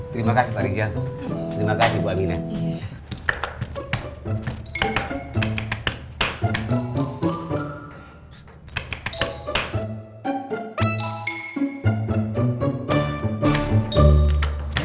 terima kasih pak riza terima kasih bu aminah